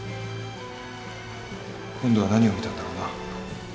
今度は何を見たんだろうな。